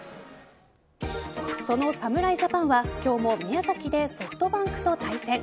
その侍ジャパンは今日も宮崎でソフトバンクと対戦。